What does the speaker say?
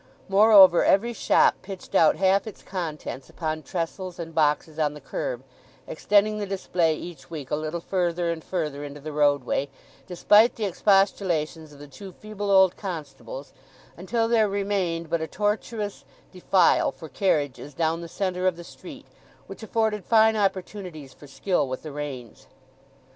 Moreover every shop pitched out half its contents upon trestles and boxes on the kerb, extending the display each week a little further and further into the roadway, despite the expostulations of the two feeble old constables, until there remained but a tortuous defile for carriages down the centre of the street, which afforded fine opportunities for skill with the reins.